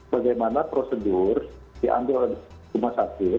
bagaimana prosedur diambil rumah sabjid